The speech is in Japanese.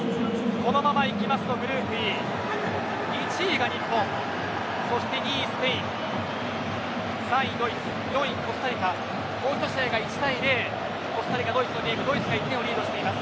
このままいくとグループＥ１位が日本そして２位スペイン３位ドイツ、４位コスタリカもう１試合が１対０コスタリカ、ドイツのゲームドイツが１点をリードしています。